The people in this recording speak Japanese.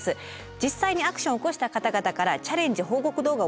実際にアクションを起こした方々からチャレンジ報告動画を募集しています。